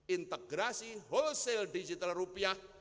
integrasi wholesale digital rupiah